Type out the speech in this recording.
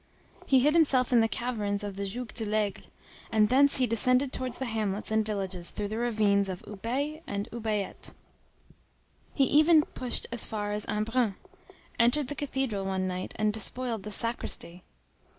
He hid himself in the caverns of the Joug de l'Aigle, and thence he descended towards the hamlets and villages through the ravines of Ubaye and Ubayette. He even pushed as far as Embrun, entered the cathedral one night, and despoiled the sacristy.